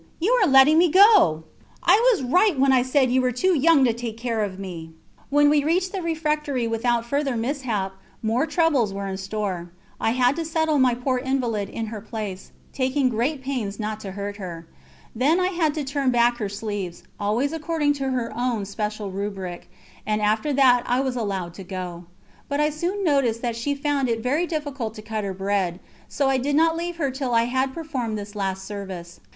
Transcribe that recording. you are letting me go! I was right when I said you were too young to take care of me." When we reached the refectory without further mishap, more troubles were in store. I had to settle my poor invalid in her place, taking great pains not to hurt her. Then I had to turn back her sleeves, always according to her own special rubric, and after that I was allowed to go. But I soon noticed that she found it very difficult to cut her bread, so I did not leave her till I had performed this last service.